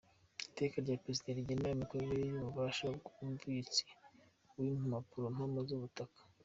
Iteka rya Perezida rigena imikorere n’ububasha by’Umubitsi w’Impapurompamo z’Ubutaka ;